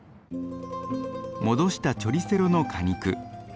戻したチョリセロの果肉。